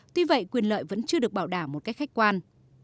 tuy vậy quyền lợi vẫn chưa được bảo đảm một cách khách quan